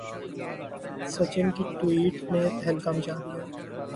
Sachin tweet ٹوئٹ نے تہلکہ مچا دیا